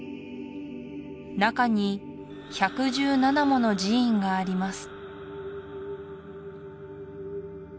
中に１１７もの寺院があります